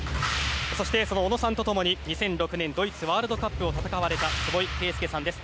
そして、その小野さんと共に２００６年ドイツワールドカップを戦われた坪井慶介さんです。